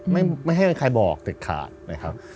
ไม่ให้ใครบอกเด็ดขาดนะครับ